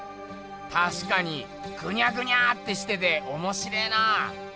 たしかにぐにゃぐにゃってしてておもしれえなあ。